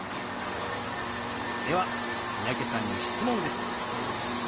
では三宅さんに質問です。